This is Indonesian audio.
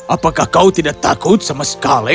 apakah kau tidak takut sama sekali